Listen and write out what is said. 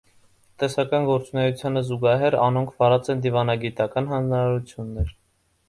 Տնտեսական գործունէութեան զուգահեր, անոնք վարած են դիւանագիտական յանձնարութիւններ։